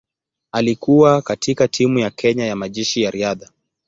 Alikuwa katika timu ya Kenya ya Majeshi ya Riadha.